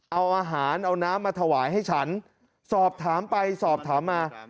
เอาอาหารเอาน้ำมาถวายให้ฉันสอบถามไปสอบถามมา